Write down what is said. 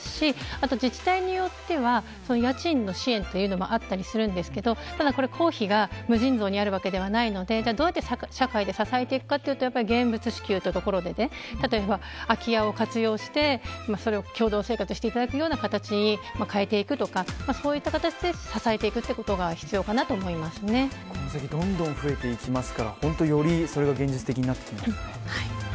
あとは自治体によっては家賃の支援もあったりしますがただ公費が無尽蔵にあるわけではないのでどういう社会で支えていくか現物支給というところで例えば、空き家を活用して共同生活をしていく形に変えていくとかそういった形で支えていくことがこの先どんどん増えていきますからより現実的になってきますね。